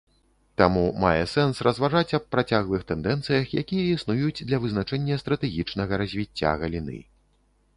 Таму мае сэнс разважаць аб працяглых тэндэнцыях, якія існуюць для вызначэння стратэгічнага развіцця галіны.